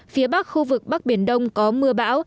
phía bắc khu vực bắc biển đông có mưa bão